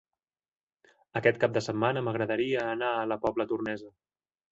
Aquest cap de setmana m'agradaria anar a la Pobla Tornesa.